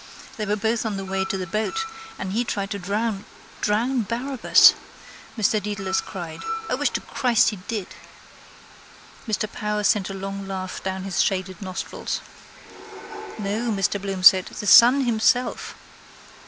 They were both on the way to the boat and he tried to drown..... —Drown Barabbas! Mr Dedalus cried. I wish to Christ he did! Mr Power sent a long laugh down his shaded nostrils. —No, Mr Bloom said, the son himself.....